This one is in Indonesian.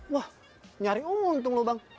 wah nyari untung loh bang